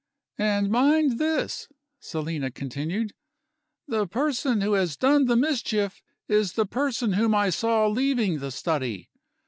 "And mind this," Selina continued, "the person who has done the mischief is the person whom I saw leaving the study.